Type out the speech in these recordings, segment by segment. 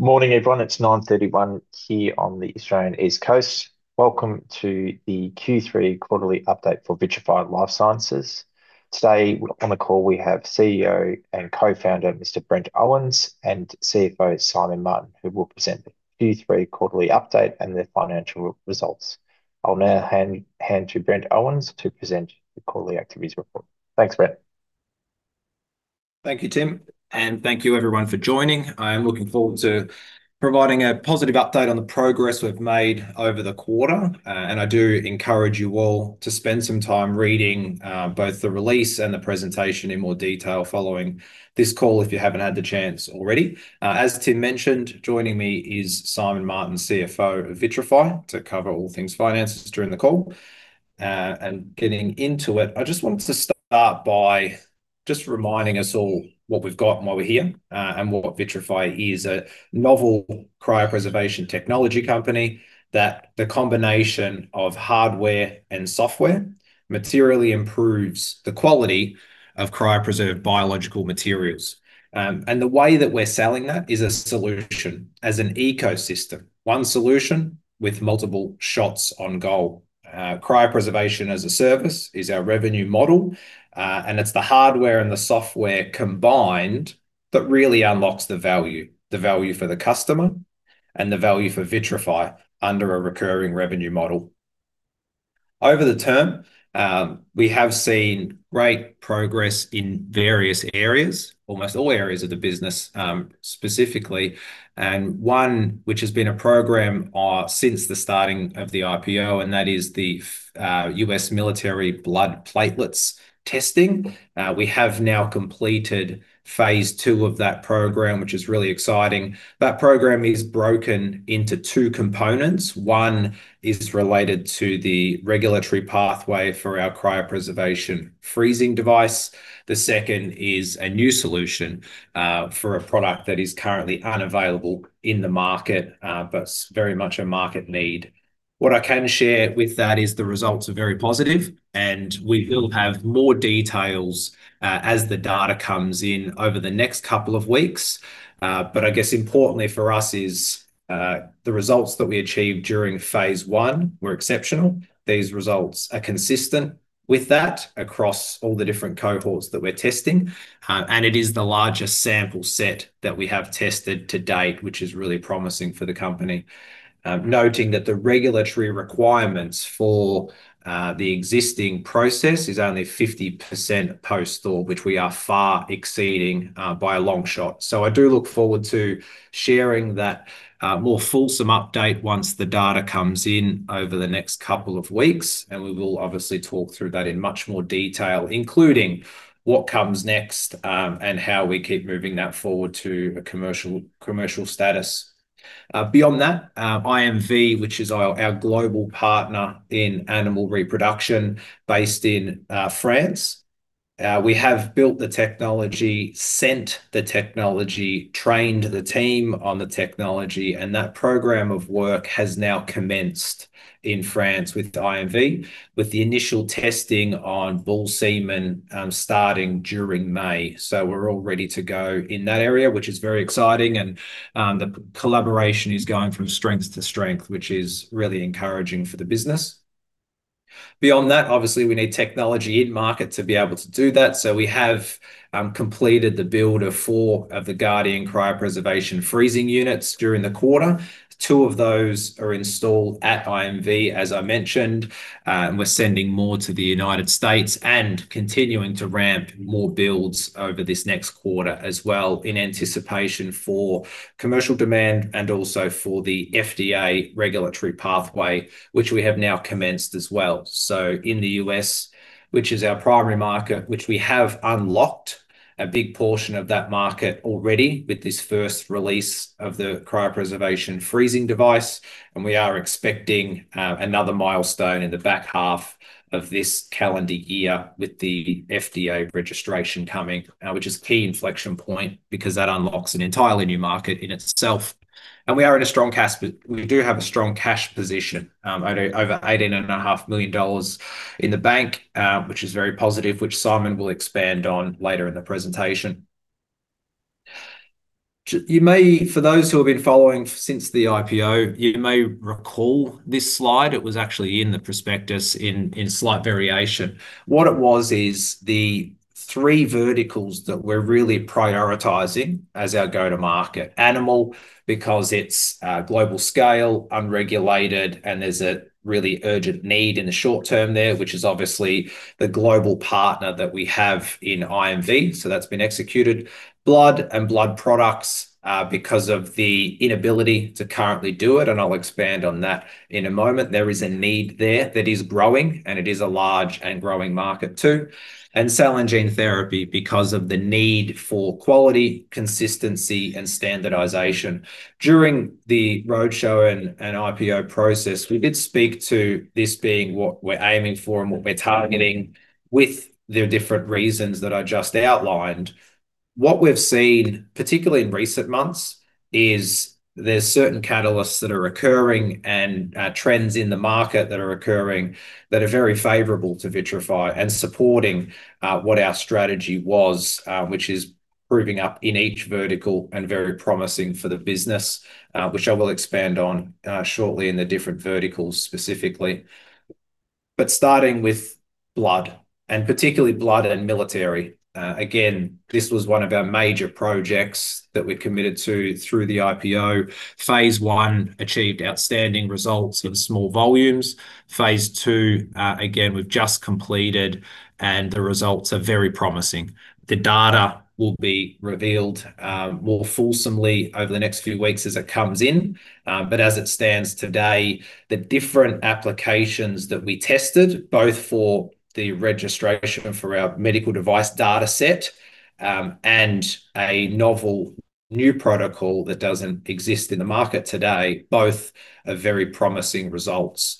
Good morning, everyone. It's 9:31 A.M. here on the Australian East Coast. Welcome to the Q3 quarterly update for Vitrafy Life Sciences. Today, on the call we have CEO and Co-Founder, Mr. Brent Owens, and CFO Simon Martin, who will present the Q3 quarterly update and their financial results. I'll now hand to Brent Owens to present the quarterly activities report. Thanks, Brent. Thank you, Tim, and thank you everyone for joining. I am looking forward to providing a positive update on the progress we've made over the quarter. I do encourage you all to spend some time reading both the release and the presentation in more detail following this call, if you haven't had the chance already. As Tim mentioned, joining me is Simon Martin, CFO of Vitrafy, to cover all things finances during the call. Getting into it, I just wanted to start by just reminding us all what we've got and why we're here, and what Vitrafy is. A novel cryopreservation technology company that the combination of hardware and software materially improves the quality of cryopreserved biological materials. The way that we're selling that is a solution as an ecosystem. One solution with multiple shots on goal. Cryopreservation as a service is our revenue model, and it's the hardware and the software combined that really unlocks the value. The value for the customer, and the value for Vitrafy under a recurring revenue model. Over the term, we have seen great progress in various areas, almost all areas of the business, specifically. One which has been a program since the starting of the IPO, and that is the U.S. military blood platelets testing. We have now completed phase II of that program, which is really exciting. That program is broken into two components. One is related to the regulatory pathway for our cryopreservation freezing device. The second is a new solution for a product that is currently unavailable in the market, but very much a market need. What I can share with that is the results are very positive, and we will have more details as the data comes in over the next couple of weeks. I guess importantly for us is the results that we achieved during phase I were exceptional. These results are consistent with that across all the different cohorts that we're testing. It is the largest sample set that we have tested to date, which is really promising for the company. Noting that the regulatory requirements for the existing process is only 50% post-thaw, which we are far exceeding by a long shot. I do look forward to sharing that, more fulsome update once the data comes in over the next couple of weeks, and we will obviously talk through that in much more detail, including what comes next, and how we keep moving that forward to a commercial status. Beyond that, IMV, which is our global partner in animal reproduction based in France, we have built the technology, sent the technology, trained the team on the technology, and that program of work has now commenced in France with IMV with the initial testing on bull semen starting during May. We're all ready to go in that area, which is very exciting and the collaboration is going from strength to strength, which is really encouraging for the business. Beyond that, obviously, we need technology in market to be able to do that. We have completed the build of four of the Guardian cryopreservation freezing units during the quarter. Two of those are installed at IMV, as I mentioned. We're sending more to the United States and continuing to ramp more builds over this next quarter as well in anticipation for commercial demand and also for the FDA regulatory pathway, which we have now commenced as well. So, in the U.S., which is our primary market, which we have unlocked a big portion of that market already with this first release of the cryopreservation freezing device, and we are expecting another milestone in the back half of this calendar year with the FDA registration coming, which is key inflection point because that unlocks an entirely new market in itself. We are in a strong cash position. We do have a strong cash position. Over 18.5 million dollars in the bank, which is very positive, which Simon will expand on later in the presentation. You may, for those who have been following since the IPO, you may recall this slide. It was actually in the prospectus in slight variation. What it was is the three verticals that we're really prioritizing as our go-to-market. Animal, because it's global scale, unregulated, and there's a really urgent need in the short term there, which is obviously the global partner that we have in IMV. That's been executed. Blood and blood products, because of the inability to currently do it, and I'll expand on that in a moment. There is a need there that is growing, and it is a large and growing market too. Cell and gene therapy because of the need for quality, consistency and standardization. During the roadshow and IPO process, we did speak to this being what we're aiming for and what we're targeting with the different reasons that I just outlined. What we've seen, particularly in recent months, is there's certain catalysts that are occurring and trends in the market that are occurring that are very favorable to Vitrafy and supporting what our strategy was, which is proving up in each vertical and very promising for the business, which I will expand on shortly in the different verticals specifically. Starting with blood, and particularly blood and military. Again, this was one of our major projects that we're committed to through the IPO phase I achieved outstanding results with small volumes. phase II, again, we've just completed, and the results are very promising. The data will be revealed more fulsomely over the next few weeks as it comes in. But as it stands today, the different applications that we tested, both for the registration for our medical device data set and a novel new protocol that doesn't exist in the market today, both are very promising results.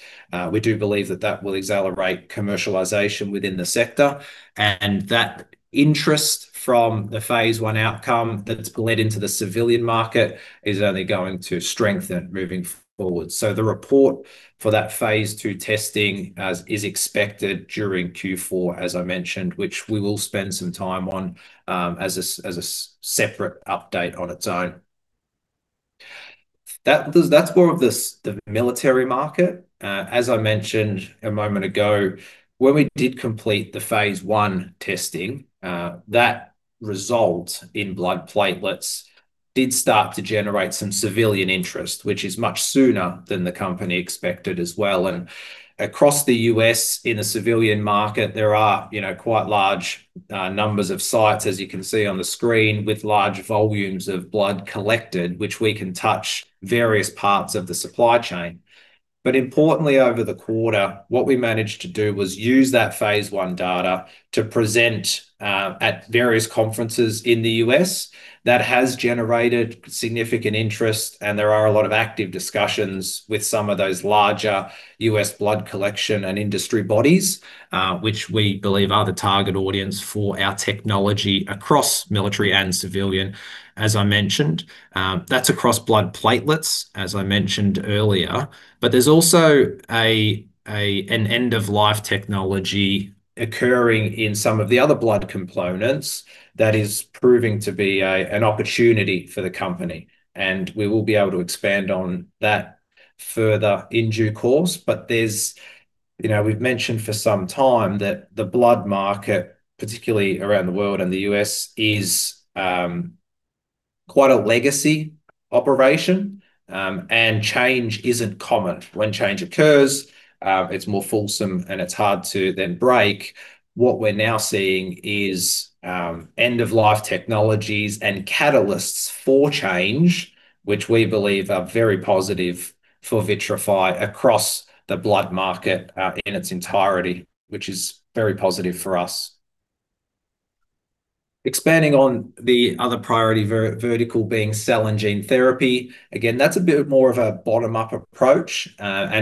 We do believe that will accelerate commercialization within the sector, and that interest from the phase I outcome that's bled into the civilian market is only going to strengthen moving forward. The report for that phase II testing is expected during Q4, as I mentioned, which we will spend some time on as a separate update on its own. That's more of the military market. As I mentioned a moment ago, when we did complete the phase I testing, that result in blood platelets did start to generate some civilian interest, which is much sooner than the company expected as well. Across the U.S. in the civilian market, there are, you know, quite large numbers of sites, as you can see on the screen, with large volumes of blood collected, which we can touch various parts of the supply chain. Importantly, over the quarter, what we managed to do was use that phase I data to present at various conferences in the U.S. That has generated significant interest, and there are a lot of active discussions with some of those larger U.S. blood collection and industry bodies, which we believe are the target audience for our technology across military and civilian, as I mentioned. That's across blood platelets, as I mentioned earlier. There's also an end-of-life technology occurring in some of the other blood components that is proving to be an opportunity for the company, and we will be able to expand on that further in due course. We've mentioned for some time that the blood market, particularly around the world and the U.S., is quite a legacy operation, and change isn't common. When change occurs, it's more fulsome, and it's hard to then break. What we're now seeing is end-of-life technologies and catalysts for change, which we believe are very positive for Vitrafy across the blood market in its entirety, which is very positive for us. Expanding on the other priority vertical being cell and gene therapy, again, that's a bit more of a bottom-up approach.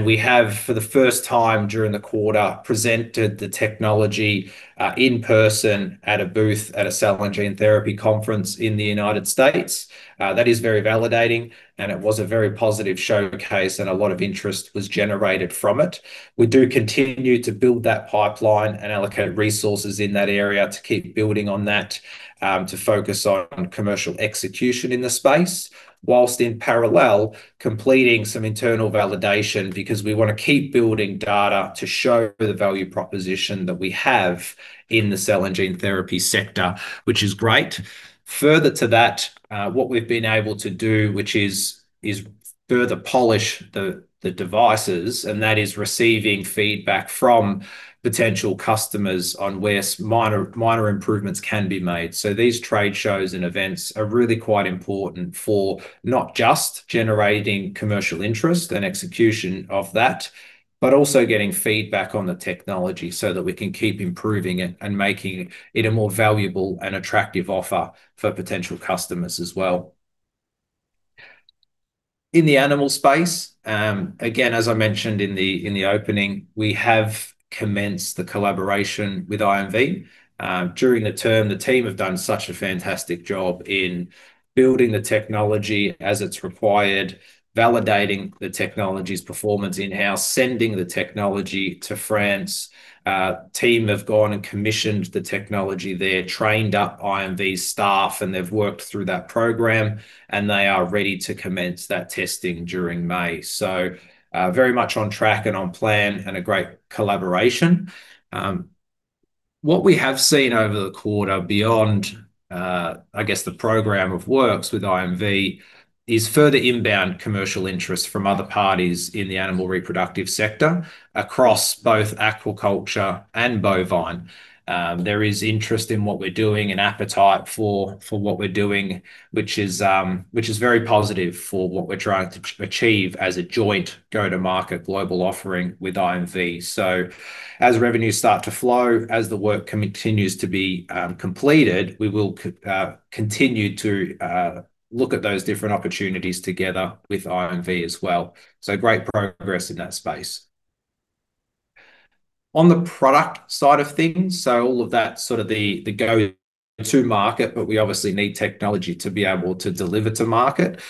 We have, for the first time during the quarter, presented the technology in person at a booth at a cell and gene therapy conference in the United States. That is very validating, and it was a very positive showcase, and a lot of interest was generated from it. We do continue to build that pipeline and allocate resources in that area to keep building on that, to focus on commercial execution in the space, while in parallel completing some internal validation because we wanna keep building data to show the value proposition that we have in the cell and gene therapy sector, which is great. Further to that, what we've been able to do, which is further polish the devices, and that is receiving feedback from potential customers on where minor improvements can be made. These trade shows and events are really quite important for not just generating commercial interest and execution of that, but also getting feedback on the technology so that we can keep improving it and making it a more valuable and attractive offer for potential customers as well. In the animal space, again, as I mentioned in the opening, we have commenced the collaboration with IMV. During the term, the team have done such a fantastic job in building the technology as it's required, validating the technology's performance in-house, sending the technology to France. Team have gone and commissioned the technology there, trained up IMV's staff, and they've worked through that program, and they are ready to commence that testing during May. So, very much on track and on plan and a great collaboration. What we have seen over the quarter beyond, I guess the program of works with IMV is further inbound commercial interest from other parties in the animal reproductive sector across both aquaculture and bovine. There is interest in what we're doing and appetite for what we're doing, which is very positive for what we're trying to achieve as a joint go-to-market global offering with IMV. As revenues start to flow, as the work continues to be completed, we will continue to look at those different opportunities together with IMV as well. Great progress in that space. On the product side of things, all of that sort of the go-to-market, but we obviously need technology to be able to deliver to market.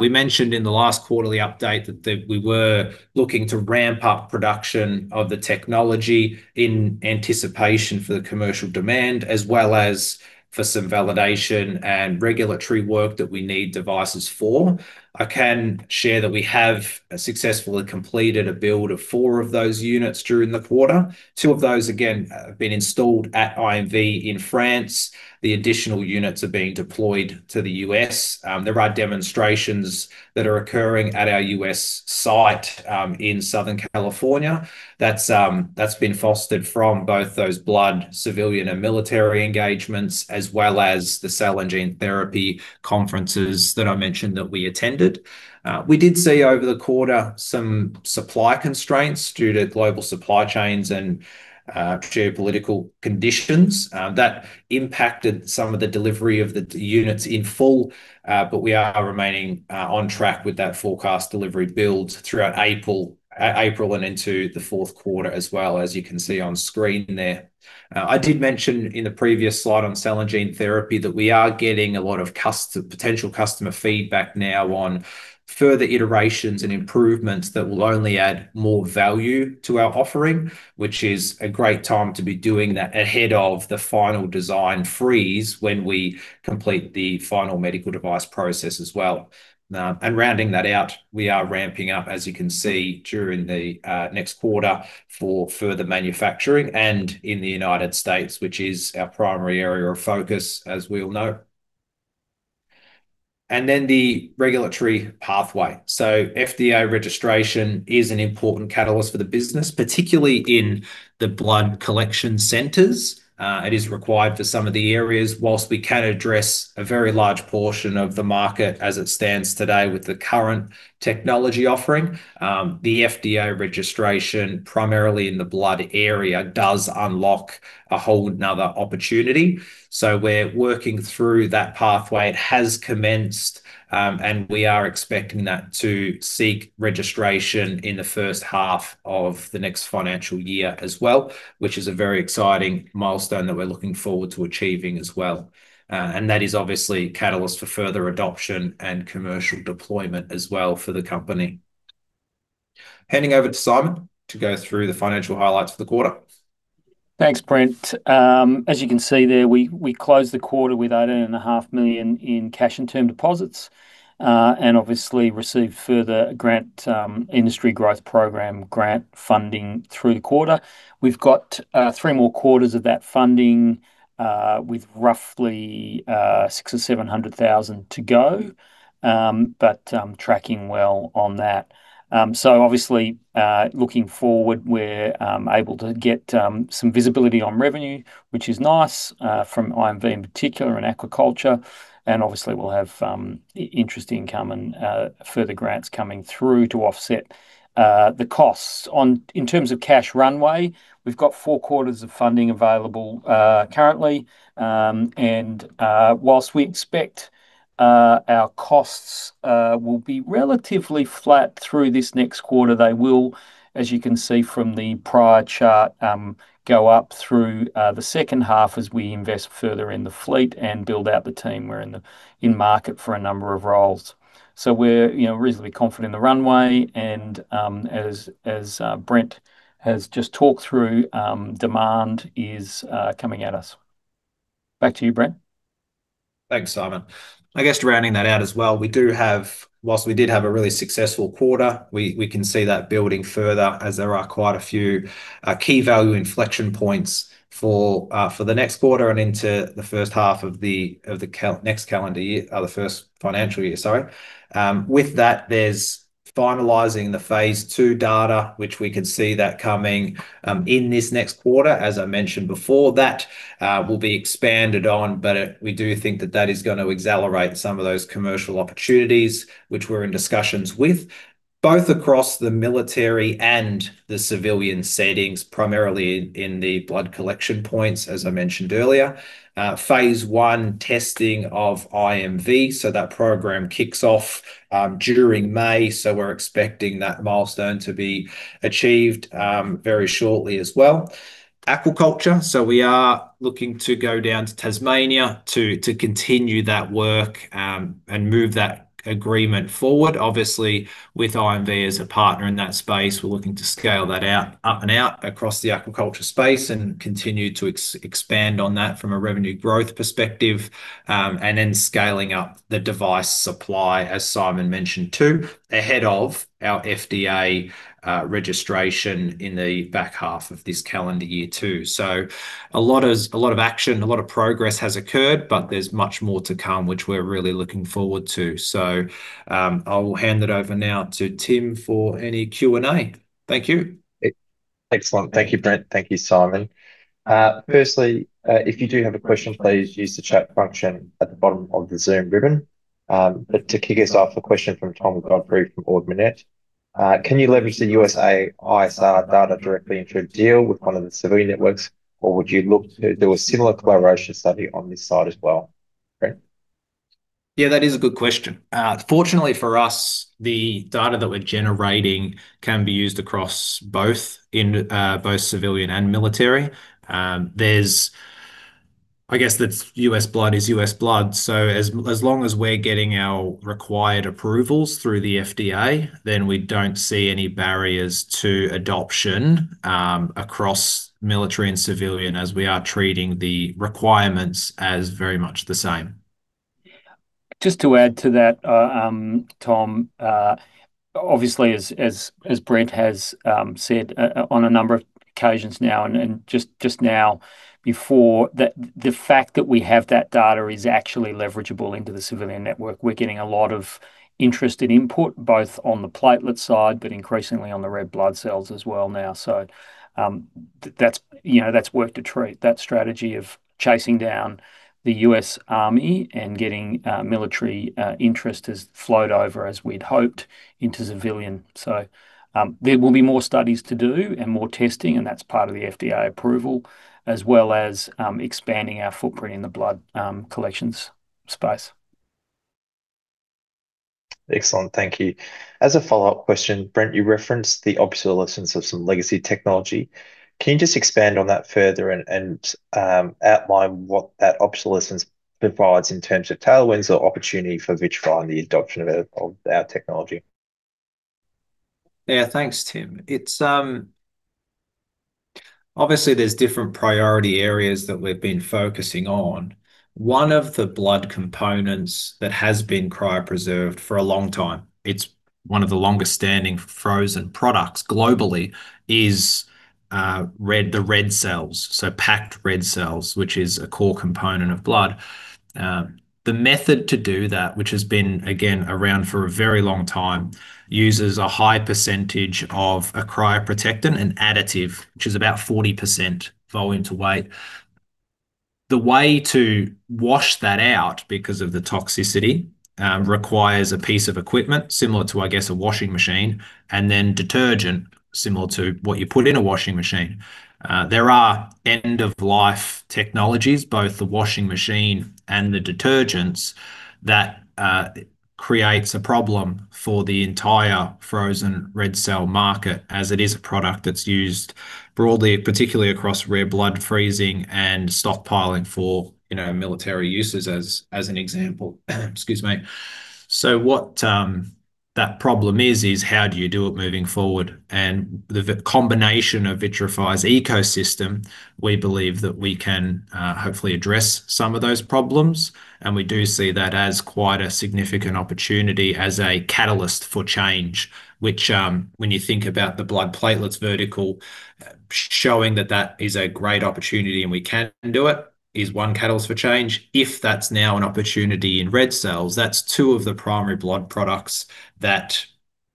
We mentioned in the last quarterly update that we were looking to ramp up production of the technology in anticipation for the commercial demand, as well as for some validation and regulatory work that we need devices for. I can share that we have successfully completed a build of four of those units during the quarter. Two of those again have been installed at IMV in France. The additional units are being deployed to the U.S. There are demonstrations that are occurring at our U.S. site in Southern California. That's been fostered from both those blood, civilian and military engagements, as well as the cell and gene therapy conferences that I mentioned that we attended. We did see over the quarter some supply constraints due to global supply chains and geopolitical conditions that impacted some of the delivery of the units in full. We are remaining on track with that forecast delivery build throughout April and into the fourth quarter as well, as you can see on screen there. I did mention in the previous slide on cell and gene therapy that we are getting a lot of customer feedback now on further iterations and improvements that will only add more value to our offering, which is a great time to be doing that ahead of the final design freeze when we complete the final medical device process as well. Rounding that out, we are ramping up, as you can see, during the next quarter for further manufacturing and in the United States, which is our primary area of focus, as we all know. The regulatory pathway. FDA registration is an important catalyst for the business, particularly in the blood collection centers. It is required for some of the areas. While we can address a very large portion of the market as it stands today with the current technology offering, the FDA registration primarily in the blood area does unlock a whole another opportunity. We're working through that pathway. It has commenced, and we are expecting that to seek registration in the first half of the next financial year as well, which is a very exciting milestone that we're looking forward to achieving as well. That is obviously catalyst for further adoption and commercial deployment as well for the company. Handing over to Simon to go through the financial highlights for the quarter. Thanks, Brent. As you can see there, we closed the quarter with 18.5 million in cash and term deposits. We obviously received further Industry Growth Program grant funding through the quarter. We've got three more quarters of that funding with roughly 600,000 or 700,000 to go, but tracking well on that. Obviously, looking forward, we're able to get some visibility on revenue, which is nice from IMV in particular and aquaculture. Obviously we'll have interest income and further grants coming through to offset the costs. In terms of cash runway, we've got four quarters of funding available currently. While we expect our costs will be relatively flat through this next quarter, they will, as you can see from the prior chart, go up through the second half as we invest further in the fleet and build out the team. We're in the market for a number of roles. We're, you know, reasonably confident in the runway and, as Brent has just talked through, demand is coming at us. Back to you, Brent. Thanks, Simon. I guess rounding that out as well, we do have—while we did have a really successful quarter, we can see that building further as there are quite a few key value inflection points for the next quarter and into the first half of the calendar year, or the first financial year, sorry. With that, there's finalizing the phase II data, which we could see coming in this next quarter. As I mentioned before, that will be expanded on, but we do think that is gonna accelerate some of those commercial opportunities which we're in discussions with, both across the military and the civilian settings, primarily in the blood collection points, as I mentioned earlier. Phase I testing of IMV, that program kicks off during May, we're expecting that milestone to be achieved very shortly as well. Aquaculture, we are looking to go down to Tasmania to continue that work and move that agreement forward. Obviously, with IMV as a partner in that space, we're looking to scale that out, up and out across the aquaculture space and continue to expand on that from a revenue growth perspective, and then scaling up the device supply, as Simon mentioned too, ahead of our FDA registration in the back half of this calendar year too. A lot of action, a lot of progress has occurred, but there's much more to come, which we're really looking forward to. I'll hand it over now to Tim for any Q&A. Thank you. Excellent. Thank you, Brent. Thank you, Simon. Firstly, if you do have a question, please use the chat function at the bottom of the Zoom ribbon. To kick us off, a question from Tom Godfrey from Ord Minnett. Can you leverage the U.S. Army ISR data directly into a deal with one of the civilian networks, or would you look to do a similar collaboration study on this side as well? Brent. Yeah, that is a good question. Fortunately for us, the data that we're generating can be used across both civilian and military. I guess it's U.S. blood is U.S. blood, so as long as we're getting our required approvals through the FDA, then we don't see any barriers to adoption across military and civilian, as we are treating the requirements as very much the same. Just to add to that, Tom, obviously, as Brent has said on a number of occasions now and just now before that, the fact that we have that data is actually leverageable into the civilian network. We're getting a lot of interest and input, both on the platelet side, but increasingly on the red blood cells as well now. That's, you know, that's worked a treat. That strategy of chasing down the U.S. Army and getting military interest has flowed over as we'd hoped into civilian. There will be more studies to do and more testing, and that's part of the FDA approval, as well as expanding our footprint in the blood collections space. Excellent. Thank you. As a follow-up question, Brent, you referenced the obsolescence of some legacy technology. Can you just expand on that further and outline what that obsolescence provides in terms of tailwinds or opportunity for Vitrafy and the adoption of our technology? Yeah. Thanks, Tim. It's obviously there's different priority areas that we've been focusing on. One of the blood components that has been cryopreserved for a long time, it's one of the longest standing frozen products globally, is the red cells, so packed red cells, which is a core component of blood. The method to do that, which has been again around for a very long time, uses a high percentage of a cryoprotectant and additive, which is about 40% volume to weight. The way to wash that out because of the toxicity requires a piece of equipment similar to, I guess, a washing machine, and then detergent similar to what you put in a washing machine. There are end of life technologies, both the washing machine and the detergents, that creates a problem for the entire frozen red cell market as it is a product that's used broadly, particularly across rare blood freezing and stockpiling for, you know, military uses as an example. Excuse me. What that problem is is how do you do it moving forward? The combination of Vitrafy's ecosystem, we believe that we can hopefully address some of those problems, and we do see that as quite a significant opportunity as a catalyst for change, which, when you think about the blood platelets vertical, showing that that is a great opportunity and we can do it is one catalyst for change. If that's now an opportunity in red cells, that's two of the primary blood products that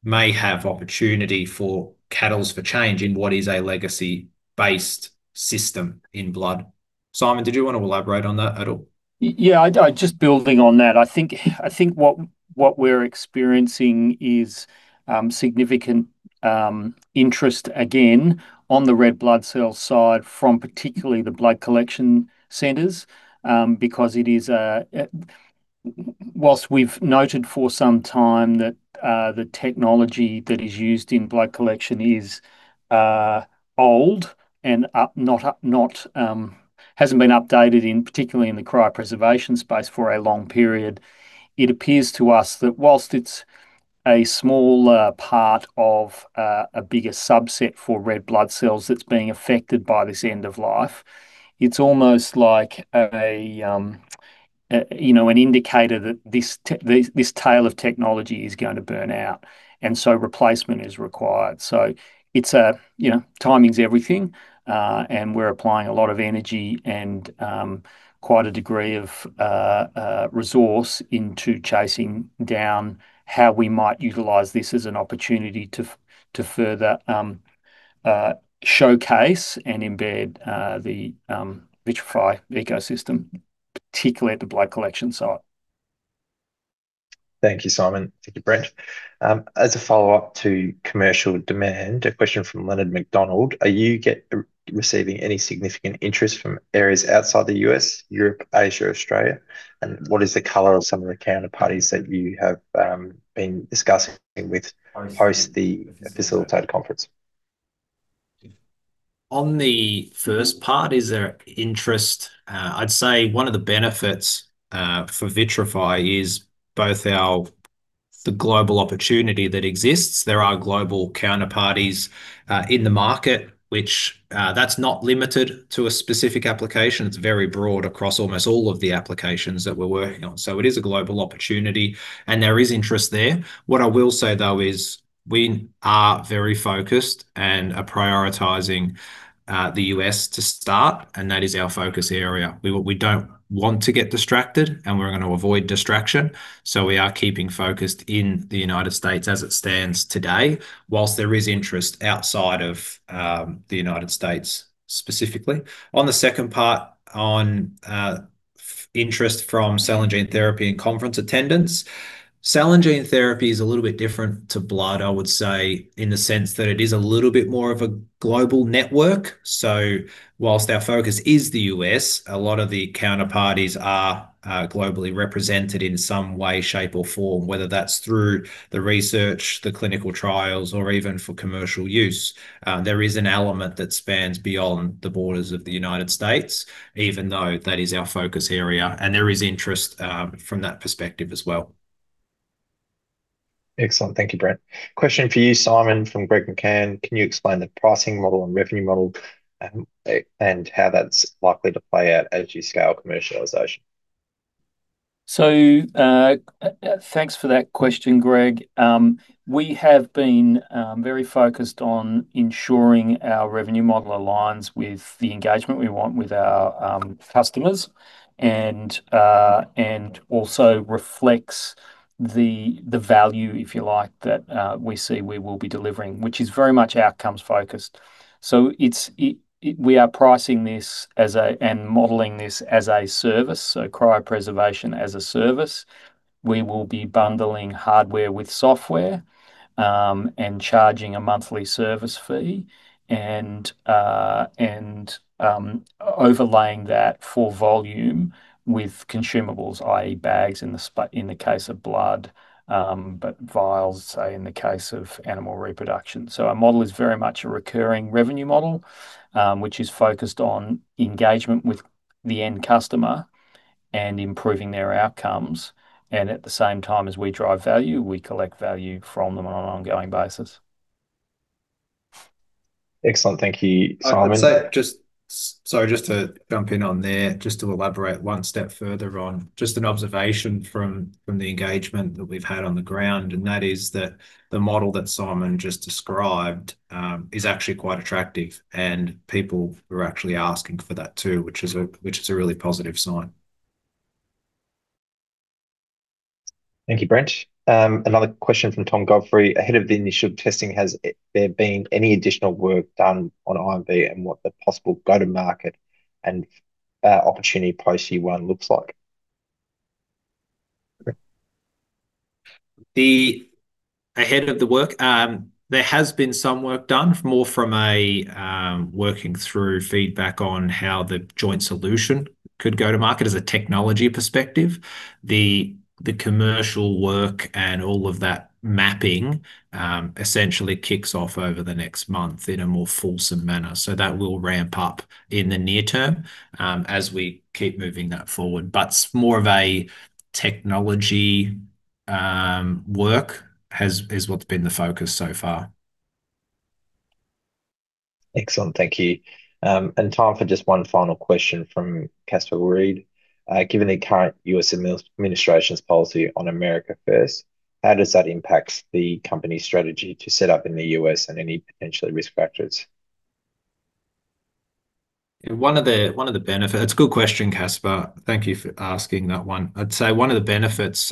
may have opportunity for catalyst for change in what is a legacy-based system in blood. Simon, did you want to elaborate on that at all? Yeah. I just building on that, I think what we're experiencing is significant interest again on the red blood cell side from particularly the blood collection centers, because it is a. Whilst we've noted for some time that the technology that is used in blood collection is old and hasn't been updated particularly in the cryopreservation space for a long period, it appears to us that whilst it's a smaller part of a bigger subset for red blood cells that's being affected by this end of life, it's almost like a you know an indicator that this tail of technology is going to burn out, and so replacement is required. It's a, you know, timing is everything, and we're applying a lot of energy and quite a degree of resource into chasing down how we might utilize this as an opportunity to further showcase and embed the Vitrafy ecosystem, particularly at the blood collection site. Thank you, Simon. Thank you, Brent. As a follow-up to commercial demand, a question from Leonard McDonald: are you receiving any significant interest from areas outside the U.S., Europe, Asia, Australia? What is the color of some of the counterparties that you have been discussing with post the facilitated conference? On the first part, is there interest? I'd say one of the benefits for Vitrafy is the global opportunity that exists. There are global counterparties in the market, which that's not limited to a specific application. It's very broad across almost all of the applications that we're working on. It is a global opportunity, and there is interest there. What I will say, though, is we are very focused and are prioritizing the U.S. to start, and that is our focus area. We don't want to get distracted, and we're gonna avoid distraction, so we are keeping focused in the United States as it stands today, while there is interest outside of the United States specifically. Cell and gene therapy is a little bit different to blood, I would say, in the sense that it is a little bit more of a global network. Whilst our focus is the U.S., a lot of the counterparties are globally represented in some way, shape, or form, whether that's through the research, the clinical trials, or even for commercial use. There is an element that spans beyond the borders of the United States even though that is our focus area, and there is interest from that perspective as well. Excellent. Thank you, Brent. Question for you, Simon, from Greg McCann. Can you explain the pricing model and revenue model and how that's likely to play out as you scale commercialization? Thanks for that question, Greg. We have been very focused on ensuring our revenue model aligns with the engagement we want with our customers and also reflects the value, if you like, that we see we will be delivering, which is very much outcomes focused. We are pricing this and modeling this as a service, so cryopreservation as a service. We will be bundling hardware with software and charging a monthly service fee and overlaying that for volume with consumables, i.e. bags in the case of blood, but vials, say, in the case of animal reproduction. Our model is very much a recurring revenue model, which is focused on engagement with the end customer and improving their outcomes, and at the same time as we drive value, we collect value from them on an ongoing basis. Excellent. Thank you, Simon. I'd say just sorry, just to jump in on there just to elaborate one step further on just an observation from the engagement that we've had on the ground, and that is that the model that Simon just described is actually quite attractive, and people are actually asking for that too which is a really positive sign. Thank you, Brent. Another question from Tom Godfrey. Ahead of the initial testing, has there been any additional work done on IMV and what the possible go-to-market and opportunity post year one looks like? Ahead of the work, there has been some work done more from a working through feedback on how the joint solution could go to market as a technology perspective. The commercial work and all of that mapping essentially kicks off over the next month in a more fulsome manner. That will ramp up in the near term, as we keep moving that forward. More of a technology work is what's been the focus so far. Excellent. Thank you. Time for just one final question from Casper Reed. Given the current U.S. administration's policy on America First, how does that impact the company strategy to set up in the U.S. and any potentially risk factors? One of the benefits. It's a good question, Casper. Thank you for asking that one. I'd say one of the benefits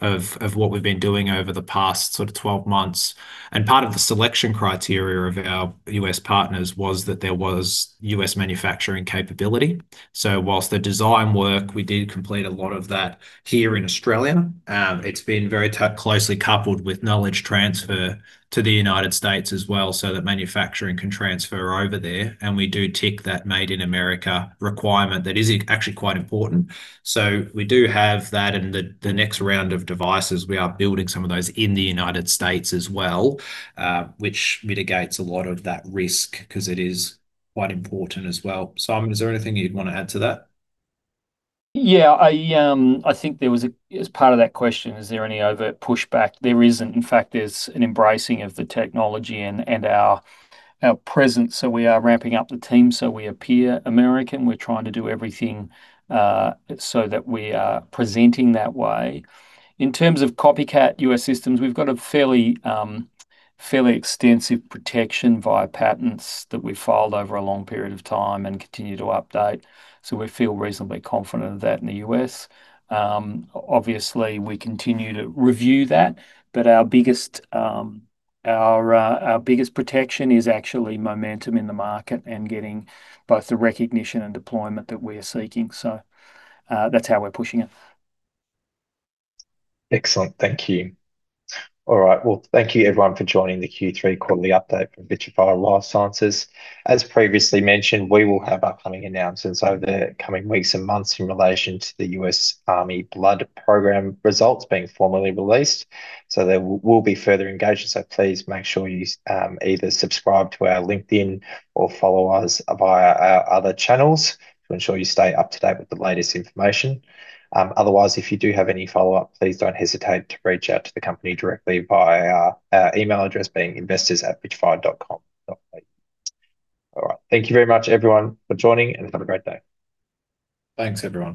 of what we've been doing over the past sort of 12 months and part of the selection criteria of our U.S. partners was that there was U.S. manufacturing capability. While the design work, we did complete a lot of that here in Australia, it's been very closely coupled with knowledge transfer to the United States as well so that manufacturing can transfer over there, and we do tick that Made in America requirement that is actually quite important. We do have that in the next round of devices. We are building some of those in the United States as well, which mitigates a lot of that risk 'cause it is quite important as well. Simon, is there anything you'd wanna add to that? Yeah. I think as part of that question, is there any overt pushback? There isn't. In fact, there's an embracing of the technology and our presence. We are ramping up the team so we appear American. We're trying to do everything so that we are presenting that way. In terms of copycat U.S. systems, we've got a fairly extensive protection via patents that we filed over a long period of time and continue to update. We feel reasonably confident of that in the U.S. Obviously, we continue to review that. Our biggest protection is actually momentum in the market and getting both the recognition and deployment that we are seeking. That's how we're pushing it. Excellent. Thank you. All right. Well, thank you everyone for joining the Q3 quarterly update from Vitrafy Life Sciences. As previously mentioned, we will have upcoming announcements over the coming weeks and months in relation to the U.S. Army blood program results being formally released. There will be further engagement, so please make sure you either subscribe to our LinkedIn or follow us via our other channels to ensure you stay up to date with the latest information. Otherwise, if you do have any follow-up, please don't hesitate to reach out to the company directly via our email address, being investors@vitrafy.com. All right. Thank you very much everyone for joining, and have a great day. Thanks, everyone.